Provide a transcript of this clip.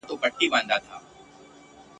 خو ټوټې یې تر میلیون وي رسېدلي !.